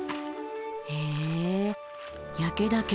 へえ焼岳